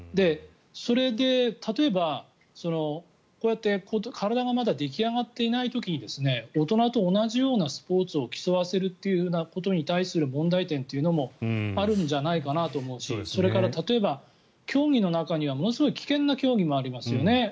それで例えば、こうやって体がまだ出来上がっていない時に大人と同じようなスポーツを競わせるということに対する問題点というのもあるんじゃないかと思うしそれから例えば、競技の中にはものすごい危険な競技もありますよね。